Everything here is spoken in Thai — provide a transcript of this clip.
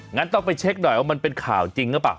งั้นต้องไปเช็คหน่อยว่ามันเป็นข่าวจริงหรือเปล่า